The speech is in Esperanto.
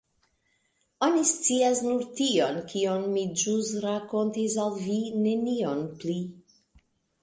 Oni scias nur tion, kion mi ĵus rakontis al vi, neniom pli.